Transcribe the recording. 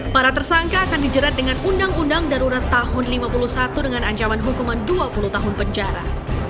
para tersangka akan dijerat dengan undang undang darurat tahun seribu sembilan ratus lima puluh satu dengan ancaman hukuman dua puluh tahun penjara